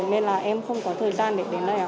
nên là em không có thời gian để đến đây ạ